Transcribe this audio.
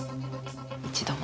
一度も。